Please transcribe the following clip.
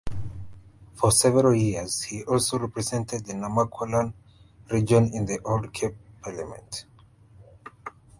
For several years he also represented the Namaqualand region in the old Cape Parliament.